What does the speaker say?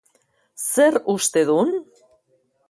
Zer uste dun?